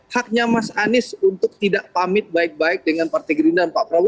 haknya mas anies untuk tidak pamit baik baik dengan partai gerindra dan pak prabowo